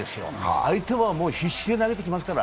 相手はもう必死で投げてきますから。